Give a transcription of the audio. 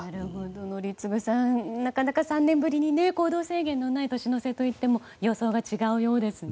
宜嗣さんなかなか３年ぶりに行動制限のない年の瀬といっても様相が違うようですね。